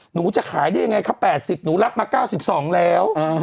หนูจะขายได้ไงค่ะแปดสิบหนูถอยแลหลัดมาเก้าสิบสองแล้ว